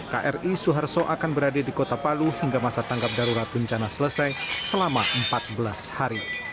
kri suharto akan berada di kota palu hingga masa tanggap darurat bencana selesai selama empat belas hari